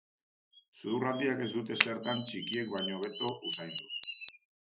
Sudur handiek ez dute zertan txikiek baino hobeto usaindu.